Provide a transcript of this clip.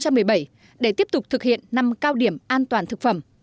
trong năm hai nghìn một mươi bảy để tiếp tục thực hiện năm cao điểm an toàn thực phẩm